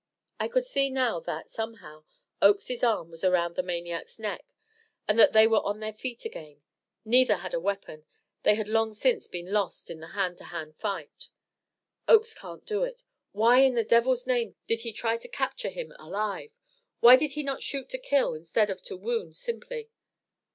I could see now that, somehow, Oakes's arm was around the maniac's neck, and that they were on their feet again. Neither had a weapon they had long since been lost in the hand to hand fight. "Oakes can't do it. Why, in the devil's name, did he try to capture him alive? Why did he not shoot to kill instead of to wound simply?"